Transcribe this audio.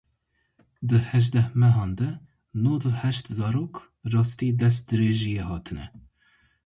Di hejdeh mehan de nod û heşt zarok rastî destdirêjiyê hatine.